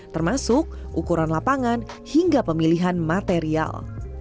termasuk ukuran lapangan hingga pemilihan material